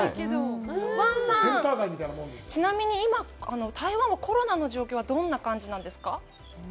王さん、ちなみに今、台湾はコロナの状況はどんな感じなんですか。